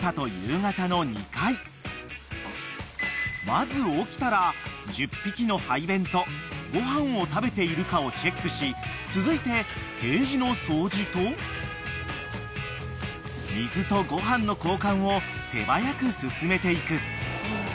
［まず起きたら１０匹の排便とご飯を食べているかをチェックし続いてケージの掃除と水とご飯の交換を手早く進めていく］